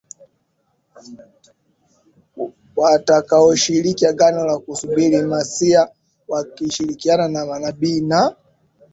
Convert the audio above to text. watakaoshikilia Agano la kusubiri Masiya wakishirikiana na manabii na